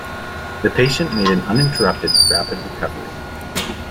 The patient made an uninterrupted, rapid recovery.